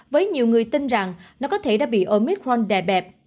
với nhiều người tin rằng nó có thể đã bị omitforn đè bẹp